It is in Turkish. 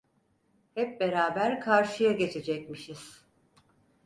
Hep beraber karşıya geçecekmişiz!